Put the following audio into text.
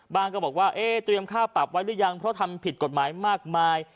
ก็บอกว่าเตรียมค่าปรับไว้หรือยังเพราะทำผิดกฎหมายมากมาย